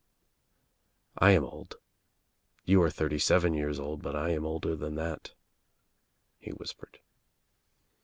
"I am old. You are thirty seven years old but I am older than that," he whispered.